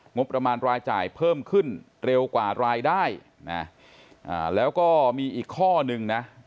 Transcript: งบประมาณรายจ่ายเพิ่มขึ้นเร็วกว่ารายได้นะแล้วก็มีอีกข้อนึงนะ